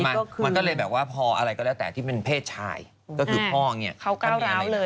ใช่นี่ก็คือมันก็เลยแบบว่าพออะไรก็แล้วแต่ที่เป็นเพศชายก็คือพ่อเนี่ยเขาก้าวร้าวเลย